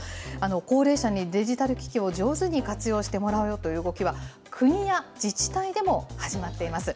高齢者にデジタル機器を上手に活用してもらうという動きは、国や自治体でも始まっています。